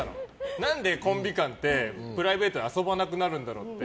何でコンビ間ってプライベートで遊ばなくなるんだろうって。